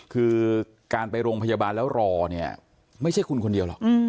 คือการไปโรงพยาบาลแล้วรอเนี่ยไม่ใช่คุณคนเดียวหรอก